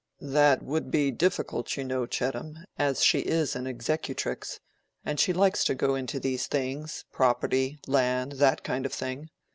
"That would be difficult, you know, Chettam, as she is an executrix, and she likes to go into these things—property, land, that kind of thing.